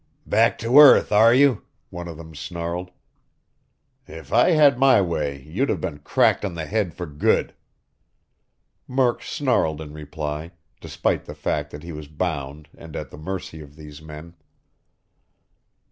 "Back to earth, are you?" one of them snarled. "If I had my way, you'd have been cracked on the head for good." Murk snarled in reply, despite the fact that he was bound and at the mercy of these men.